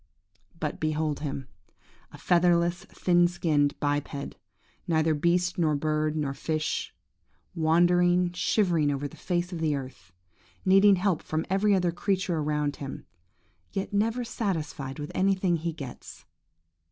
But behold him–a featherless, thin skinned biped–neither beast, nor bird, nor fish; wandering, shivering over the face of the earth, needing help from every other creature around him, yet never satisfied with anything he gets!